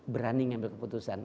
berani mengambil keputusan